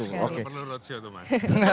luar biasa sekali